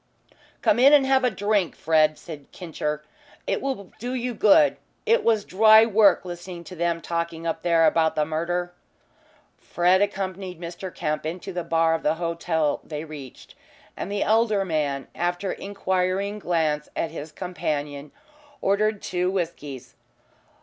"Come in and have a drink, Fred," said "Kincher." "It will do you good. It was dry work listening to them talking up there about the murder." Fred accompanied Mr. Kemp into the bar of the hotel they reached, and the elder man, after an inquiring glance at his companion, ordered two whiskies.